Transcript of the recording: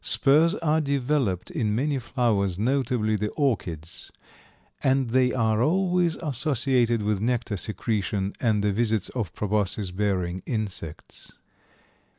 Spurs are developed in many flowers, notably the orchids, and they are always associated with nectar secretion and the visits of proboscis bearing insects.